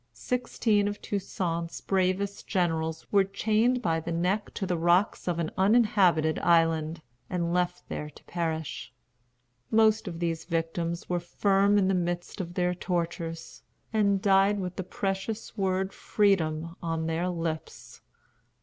Sixteen of Toussaint's bravest generals were chained by the neck to the rocks of an uninhabited island, and left there to perish. Most of these victims were firm in the midst of their tortures, and died with the precious word Freedom on their lips.